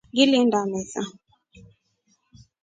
Ngilinda misa.